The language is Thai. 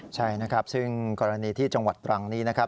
ใช่นะครับซึ่งกรณีที่จังหวัดตรังนี้นะครับ